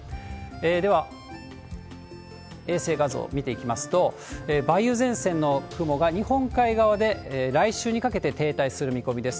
では、衛星画像見ていきますと、梅雨前線の雲が日本海側で来週にかけて停滞する見込みです。